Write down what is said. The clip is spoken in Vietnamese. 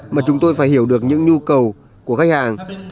mà chúng tôi phải hiểu được những nhu cầu của khách hàng